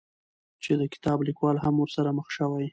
چې د کتاب ليکوال هم ورسره مخ شوى،